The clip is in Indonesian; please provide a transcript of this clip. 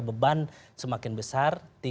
beban semakin besar